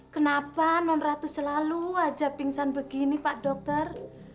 kenapa non ratu selalu aja pingsan begini pak dokter